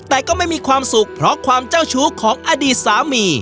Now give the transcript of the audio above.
แต่ก็ไม่มีความสุขเพราะความเจ้าชู้ของอดีตสามี